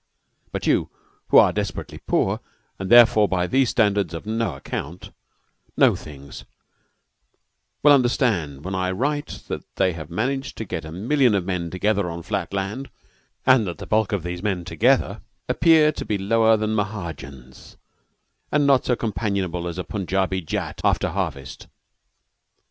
But you, who are desperately poor, and therefore by these standards of no ac count, know things, will understand when I write that they have managed to get a million of men together on flat land, and that the bulk of these men together appear to be lower than Mahajans and not so companionable as a Punjabi Jat after harvest.